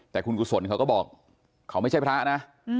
แต่คุณกุศลเขาก็บอกเขาไม่ใช่พระนะ